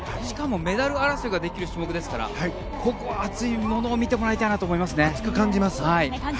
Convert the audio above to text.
しかもメダル争いができる種目ですからここは熱いものを見てもらいたいなと思います。